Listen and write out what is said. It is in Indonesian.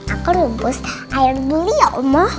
aku rebus air buli ya umur